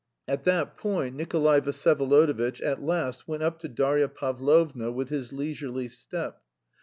At that point Nikolay Vsyevolodovitch at last went up to Darya Pavlovna with his leisurely step.